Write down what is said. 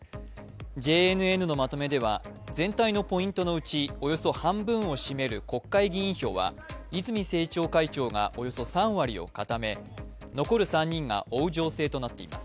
ＪＮＮのまとめでは、全体のポイントのうちおよそ半分を占める国会議員票は泉政調会長がおよそ３割を固め残る３人が追う情勢となっています。